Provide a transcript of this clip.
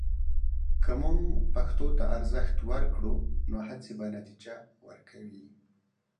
که موږ پښتو ته ارزښت ورکړو، نو هڅې به نتیجه ورکوي.